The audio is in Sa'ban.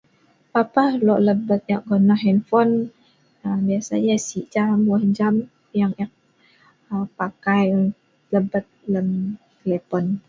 Papa lo' lebet ek gonah telephon, biasanya si jam, weh jam yang ek pakai lebet lem teleñ